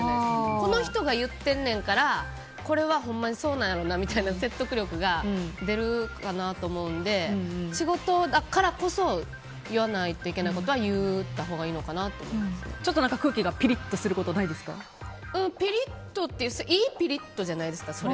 この人が言ってるねんからこれはほんまにそうなんやろうなみたいな説得力が出るかなと思うので仕事だからこそ言わないといけないことは空気がピリッとすることピリッとっていうかいいピリッとじゃないですか。